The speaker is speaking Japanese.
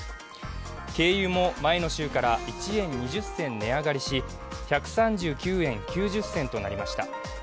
軽油も前の週から１円２０銭値上がりし、１３９円９０銭となりました。